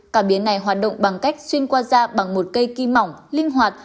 cảm biến này hoạt động bằng cách xuyên qua da bằng một cây kim mỏng linh hoạt